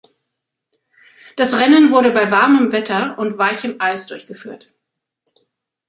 Das Rennen wurde bei warmen Wetter und weichem Eis durchgeführt.